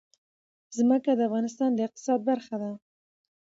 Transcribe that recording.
ځمکه د افغانستان د اقتصاد برخه ده.